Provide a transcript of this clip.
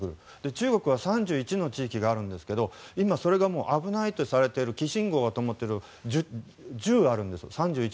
中国は３１の地域がありますが今、それが危ないとされている黄信号がともっているところが３１のうち１０あるんです。